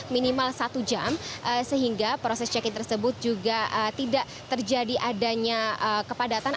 minimal satu jam sehingga proses check in tersebut juga tidak terjadi adanya kepadatan